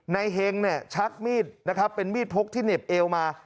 เฮงเนี่ยชักมีดนะครับเป็นมีดพกที่เหน็บเอวมา